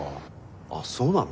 あっそうなの？